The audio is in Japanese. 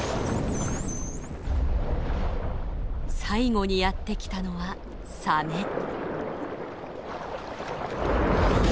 最後にやって来たのはサメ。